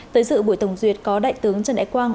tới dự buổi tổng duyệt có đại tướng trần đại quang